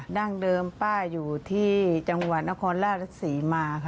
ดั้งเดิมป้าอยู่ที่จังหวัดนครราชศรีมาค่ะ